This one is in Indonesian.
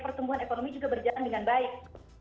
pertumbuhan ekonomi juga berjalan dengan baik